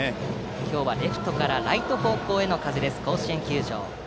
今日はレフトからライト方向への風、甲子園球場。